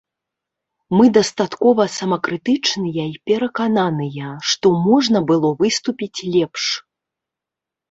Мы дастаткова самакрытычныя і перакананыя, што можна было выступіць лепш.